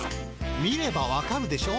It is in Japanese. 見ればわかるでしょう。